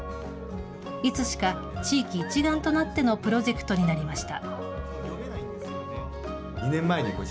いつしか、地域一丸となってのプロジェクトになりました。